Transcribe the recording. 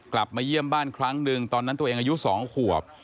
กลับมาเยี่ยมบ้านครั้งหนึ่งตอนนั้นตัวเองอายุ๒ขวบ